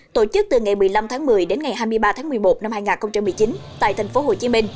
tổ chức từ ngày một mươi năm một mươi đến ngày hai mươi ba một mươi một năm hai nghìn một mươi chín tại tp hcm